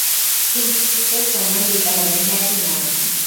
কিছু তো সম্মান দিতে হবে, হ্যাঁ কি না?